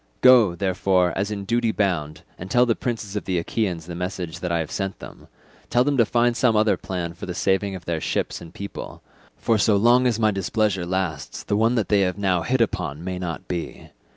Go, therefore, as in duty bound, and tell the princes of the Achaeans the message that I have sent them; tell them to find some other plan for the saving of their ships and people, for so long as my displeasure lasts the one that they have now hit upon may not be.